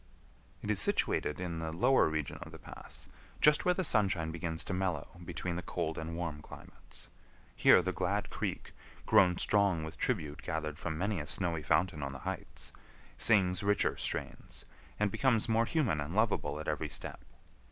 It is situated in the lower region of the pass, just where the sunshine begins to mellow between the cold and warm climates. Here the glad creek, grown strong with tribute gathered from many a snowy fountain on the heights, sings richer strains, and becomes more human and lovable at every step.